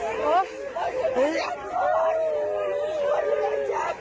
เป็นราชาศัพท์คือบุตรประชาภาพ